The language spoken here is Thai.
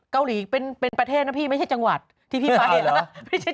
เกาหลีเป็นประเทศนะพี่ไม่ใช่จังหวัดที่พี่ไปเหรอ